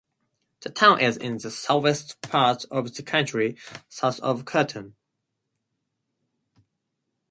The town is in the southwest part of the county, south of Canton.